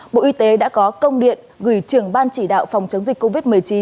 bộ y tế đã có công điện gửi trưởng ban chỉ đạo phòng chống dịch covid một mươi chín